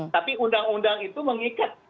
tapi undang undang itu mengikat